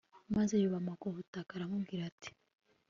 maze yubama ku butaka, aramubwira ati